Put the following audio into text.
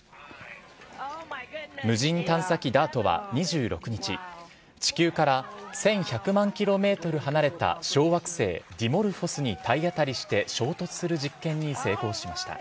無人探査機ＤＡＲＴは２６日、地球から１１００万キロメートル離れた小惑星ディモルフォスに体当たりして、衝突する実験に成功しました。